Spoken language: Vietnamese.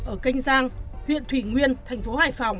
ở kênh giang huyện thủy nguyên thành phố hải phòng